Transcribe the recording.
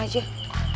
makanya pak rt